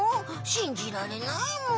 しんじられないむ。